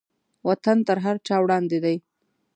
وطن تر هر چا وړاندې دی.